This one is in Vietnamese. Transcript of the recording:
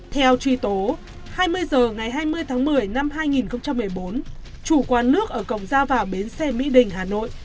theo truy tố hai mươi h ngày hai mươi tháng một mươi năm hai nghìn một mươi bốn chủ quán nước ở cổng ra vào bến xe mỹ đình hà nội